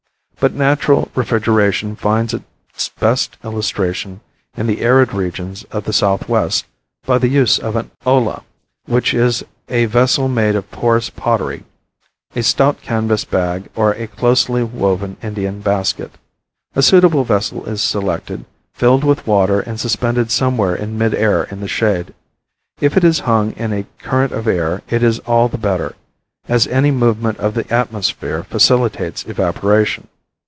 But natural refrigeration find its best illustration in the arid regions of the southwest by the use of an olla, which is a vessel made of porous pottery, a stout canvas bag or a closely woven Indian basket. A suitable vessel is selected, filled with water and suspended somewhere in midair in the shade. If it is hung in a current of air it is all the better, as any movement of the atmosphere facilitates evaporation.